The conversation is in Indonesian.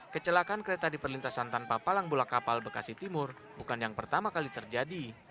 kecelakaan kereta di perlintasan tanpa palang bula kapal bekasi timur bukan yang pertama kali terjadi